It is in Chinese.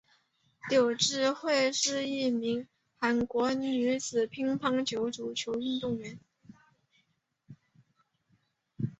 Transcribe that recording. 柳智惠是一名韩国女子乒乓球运动员。